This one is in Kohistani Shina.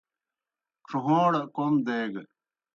ڇھوݩڑ کوْم دیگہ۔